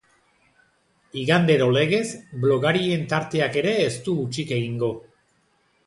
Igandero legez, blogarien tarteak ere ez du hutsik egingo.